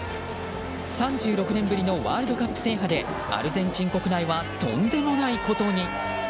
３６年ぶりのワールドカップ制覇でアルゼンチン国内はとんでもないことに。